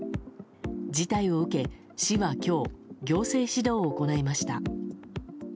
事態を受け、市は今日行政指導を行いました。